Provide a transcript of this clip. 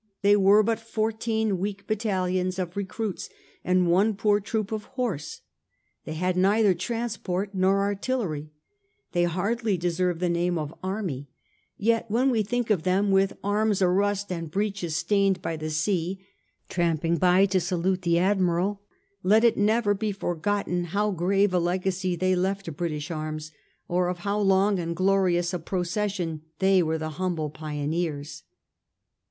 They were but fourteen weak battalions of recruits and one poor troop of horse; they had neither transport nor artillery; they hardly deserve the name of army, yet when we think of them with arms arust and breeches stained by the sea^ tramping by to salute the Admiral, let it never be forgotten how grave a legacy they left to British arms, or of how long and glorious a procession they were the humble pioneers.